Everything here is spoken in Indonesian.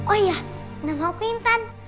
oh iya nama aku intan